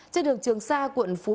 trên đường trường sa quận phú